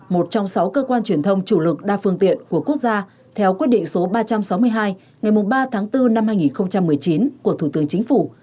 một trong sáu cơ quan truyền thông chủ lực đa phương tiện của quốc gia theo quyết định số ba trăm sáu mươi hai ngày ba tháng bốn năm hai nghìn một mươi chín của thủ tướng chính phủ